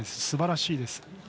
すばらしいです。